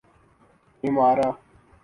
ایمارا